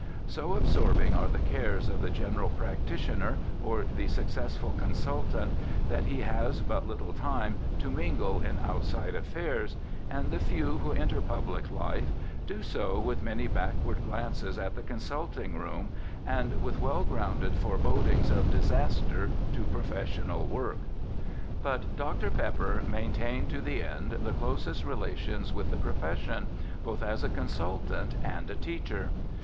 So absorbing are the cares of the general practitioner or the successful consultant, that he has but little time WILLIAM PEPPER 225 to mingle in outside affairs, and the few who enter public life do so with many backward glances at the consulting room, and with well grounded forebodings of disaster to professional work. But Dr. Pepper main tained to the end the closest relations with the profession, both as a consultant and a teacher.